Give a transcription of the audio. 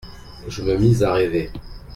Je me mis à rêver.